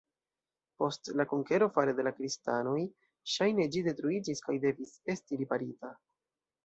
Post la konkero fare de la kristanoj ŝajne ĝi detruiĝis kaj devis esti riparita.